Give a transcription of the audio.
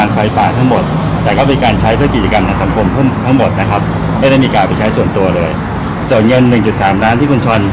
ซึ่งสรุปว่าเงินส่วนเนี่ย